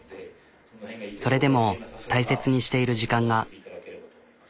それでも大切にしている時間が。